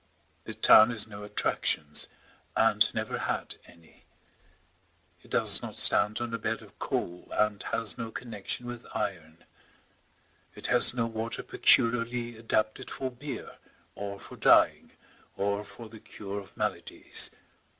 The town has no attractions, and never had any. It does not stand on a bed of coal and has no connection with iron. It has no water peculiarly adapted for beer, or for dyeing, or for the cure of maladies.